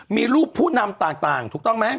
มีรูปผู้นำต่างถูกต้องไหม